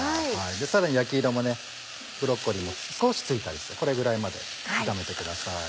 さらに焼き色もブロッコリーも少しついたりしてこれぐらいまで炒めてください。